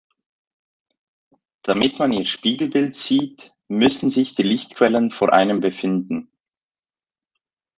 Damit man ihr Spiegelbild sieht, müssen sich die Lichtquellen vor einem befinden.